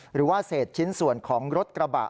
หรือว่าเศษชิ้นส่วนของรถกระบะ